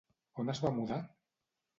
On es va mudar?